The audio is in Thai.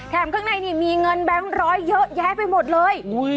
ข้างในนี่มีเงินแบงค์ร้อยเยอะแยะไปหมดเลย